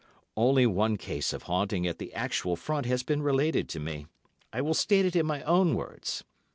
'" Only one case of haunting at the actual Front has been related to me. I will state it in my own words.